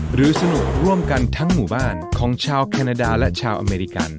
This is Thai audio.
หรือสนุกร่วมกันทั้งหมู่บ้านของชาวแคนาดาและชาวอเมริกัน